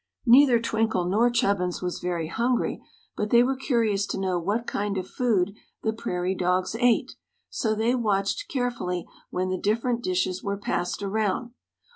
Neither Twinkle nor Chubbins was very hungry, but they were curious to know what kind of food the prairie dogs ate, so they watched carefully when the different dishes were passed around.